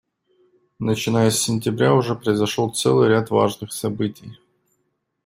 Начиная с сентября уже произошел целый ряд важных событий.